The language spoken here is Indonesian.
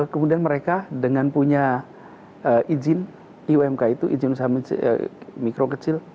kemudian mereka dengan punya izin iumk itu izin usaha mikro kecil